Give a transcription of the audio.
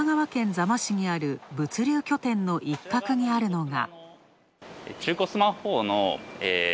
座間市にある物流拠点の一角にあるのが。